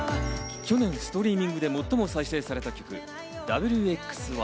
去年ストリーミングで最も再生された曲『Ｗ／Ｘ／Ｙ』。